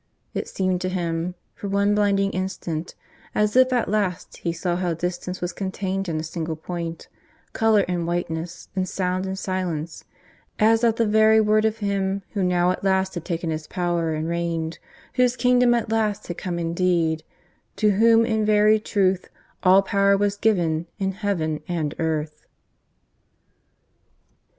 It seemed to him, for one blinding instant, as if at last he saw how distance was contained in a single point, colour in whiteness, and sound in silence, as at the very Word of Him who now at last had taken His power and reigned, whose Kingdom at last had come indeed, to whom in very truth All Power was given in heaven and earth.